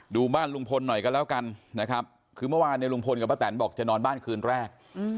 ดูบ้านลุงพลหน่อยกันแล้วกันนะครับคือเมื่อวานเนี่ยลุงพลกับป้าแตนบอกจะนอนบ้านคืนแรก